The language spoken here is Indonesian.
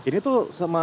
ini tuh sama